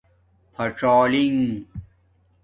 پھاڅالنگ